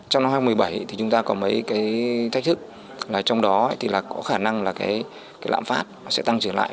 trong năm hai nghìn một mươi bảy thì chúng ta có mấy cái thách thức là trong đó thì là có khả năng là cái lãm phát sẽ tăng trưởng lại